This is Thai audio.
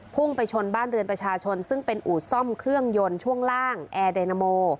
พุ่งไปชนบ้านเรือนประชาชนซึ่งเป็นอูดซ่อมเครื่องยนต์ช่วงล่างแอร์ไดนาโม